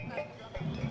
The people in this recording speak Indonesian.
fitriah sungkar jakarta